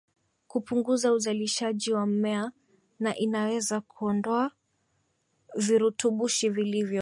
kupunguza uzalishaji wa mmea na inaweza kuondoa virutubishi vilivyo